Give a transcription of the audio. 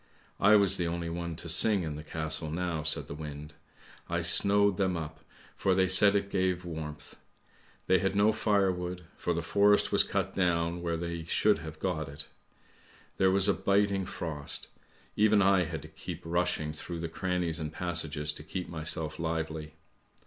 I was the only one to sing in the castle now," said the wind. " I snowed them up, for they said it gave warmth. They had no firewood, for the forest was cut down where they should have got it. There was a biting frost. Even I had to keep rushing through the crannies and passages to keep myself lively.